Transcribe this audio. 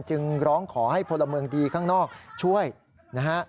จึงร้องขอให้พลเมืองดีข้างนอกช่วยนะฮะ